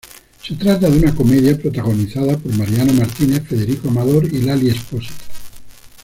Se trata de una "comedia" protagonizada por Mariano Martínez, Federico Amador y Lali Espósito.